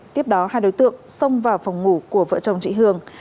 tiếp đó hai đối tượng xông vào phòng ngủ của vợ chồng chị hường